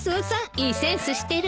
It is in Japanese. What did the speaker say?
いいセンスしてるわね。